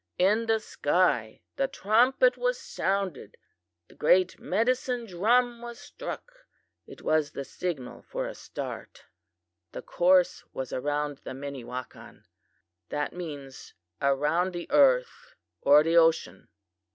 In the sky the trumpet was sounded the great medicine drum was struck. It was the signal for a start. The course was around the Minnewakan. (That means around the earth or the ocean.)